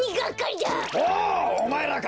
おおまえらか。